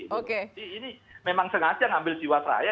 jadi ini memang sengaja ngambil di wasraya